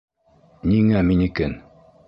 Ниңә минекен?!